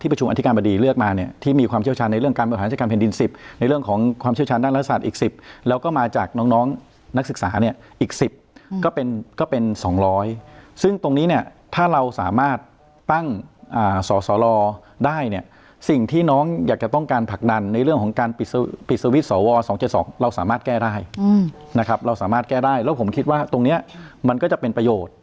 ผลังใช้การเพ็ญดิน๑๐ในเรื่องของความเชี่ยวชาญด้านรัฐศาสตร์อีก๑๐แล้วก็มาจากน้องนักศึกษาเนี่ยอีก๑๐ก็เป็น๒๐๐ซึ่งตรงนี้เนี่ยถ้าเราสามารถตั้งสอสรอได้เนี่ยสิ่งที่น้องอยากจะต้องการผลักดันในเรื่องของการปิดสวิทย์สว๒๗๒เราสามารถแก้ได้นะครับเราสามารถแก้ได้แล้วผมคิดว่าตรงนี้มันก็จะเป็นป